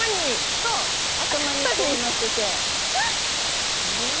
そう頭にこうのせて。へ。